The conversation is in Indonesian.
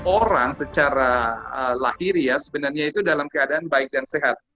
orang secara lahiri ya sebenarnya itu dalam keadaan baik dan sehat